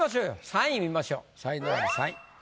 ３位見ましょう才能アリ３位。